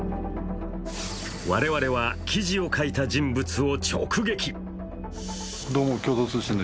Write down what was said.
我々は記事を書いた人物を直撃。